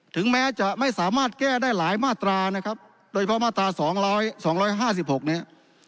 ถึงแม้จะไม่สามารถแก้ได้หลายมาตรานะครับโดยเฉพาะมาตราสองร้อยสองร้อยห้าสิบหกเนี้ย